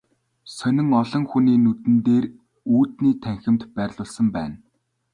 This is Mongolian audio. Сонин олон хүний нүдэн дээр үүдний танхимд байрлуулсан байна.